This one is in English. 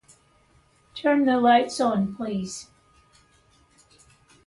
Turn the lights on, please.